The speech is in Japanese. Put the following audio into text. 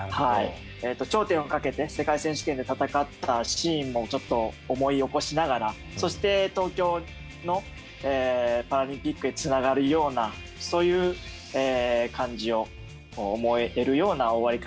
頂点をかけて世界選手権で戦ったシーンもちょっと思い起こしながらそして東京のパラリンピックにつながるようなそういう感じを思えるような終わり方だなと思っていましたね。